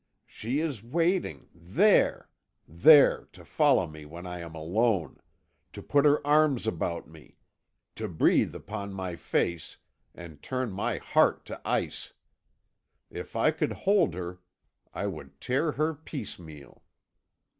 She is waiting there there to follow me when I am alone to put her arms about me to breathe upon my face, and turn my heart to ice! If I could hold her, I would tear her piecemeal!